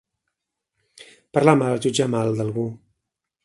Parlar mal, jutjar mal, d'algú.